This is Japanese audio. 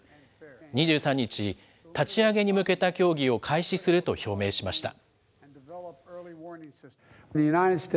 ２３日、立ち上げに向けた協議を開始すると表明しました。